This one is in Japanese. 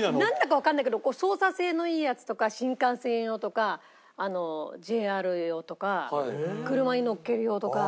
なんだかわかんないけど操作性のいいやつとか新幹線用とかＪＲ用とか車に乗っける用とか。